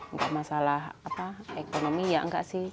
nggak masalah ekonomi ya nggak sih